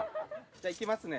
・じゃあいきますね